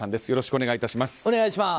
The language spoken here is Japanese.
よろしくお願いします。